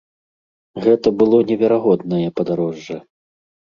Гэта было неверагоднае падарожжа.